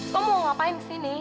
kamu mau ngapain kesini